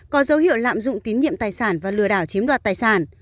có dấu hiệu lạm dụng tín nhiệm tài sản và lừa đảo chiếm đoạt tài sản